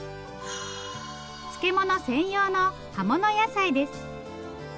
漬物専用の葉物野菜です。